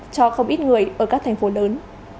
cho không ít người ở các thành phố lớn